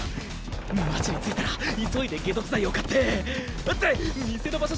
街に着いたら急いで解毒剤を買ってって店の場所